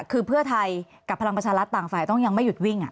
คือเพื่อไทยกับพลังประชารัฐต่างฝ่ายต้องยังไม่หยุดวิ่ง